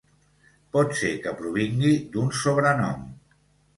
Pot ser que provingui d'un sobrenom.